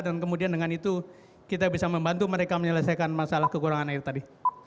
dan kemudian dengan itu kita bisa membantu mereka menyelesaikan masalah kekurangan air tadi